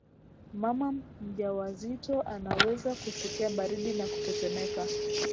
mama mjawazito anaweza kusikia baridi na kutetemeka